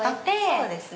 そうですね。